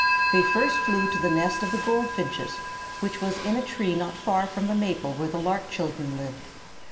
They first flew to the nest of the goldfinches, which was in a tree not far from the maple where the lark children lived.